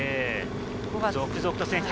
続々と選手が。